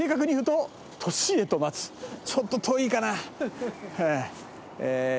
ちょっと遠いかな。